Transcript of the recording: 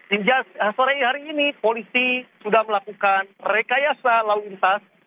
hingga sore hari ini polisi sudah melakukan rekayasa lalu lintas